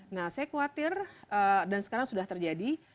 nah saya khawatir dan sekarang sudah terjadi